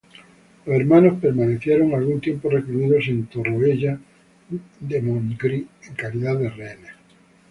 Los hermanos permanecieron algún tiempo recluidos en Torroella de Montgrí en calidad de rehenes.